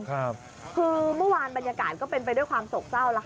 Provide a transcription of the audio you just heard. คือเมื่อวานบรรยากาศก็เป็นไปด้วยความโศกเศร้าแล้วค่ะ